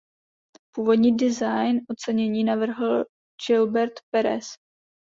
Původní design ocenění navrhl Gilbert Perez.